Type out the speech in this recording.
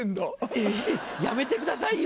えやめてくださいよ！